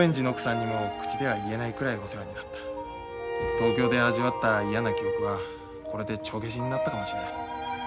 東京で味わった嫌な記憶はこれで帳消しになったかもしれない。